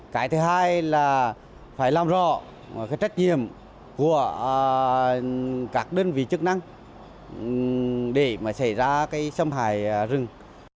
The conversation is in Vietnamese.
cái thứ hai là phải làm rõ trách nhiệm của các đơn vị chức năng để xảy ra xâm hải rừng